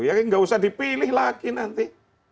ya nggak usah dipilih lagi nanti